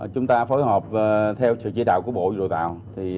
chúng ta phối hợp theo sự chỉ đạo của bộ dồi tạo